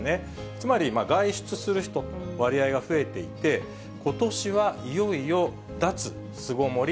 つまり、外出する人の割合が増えていて、ことしはいよいよ脱巣ごもり